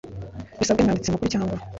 bisabwe n umwanditsi mukuru cyangwa